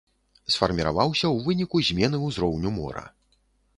Сфарміраваўся ў выніку змены ўзроўню мора.